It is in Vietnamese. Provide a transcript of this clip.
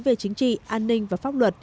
về chính trị an ninh và pháp luật